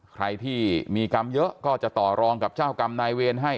ใครที่มีกรรมเยอะก็จะต่อรองกับเจ้ากรรมนายเวรให้